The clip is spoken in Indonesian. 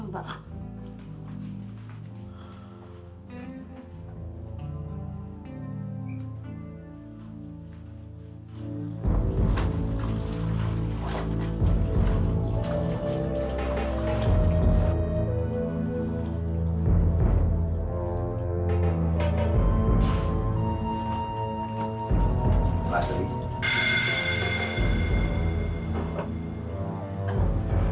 telepon dari siapa